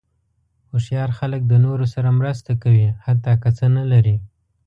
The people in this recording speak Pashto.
هوښیار خلک د نورو سره مرسته کوي، حتی که څه نه لري.